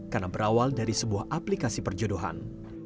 karena berawal dari sebuah aplikasi perjodohan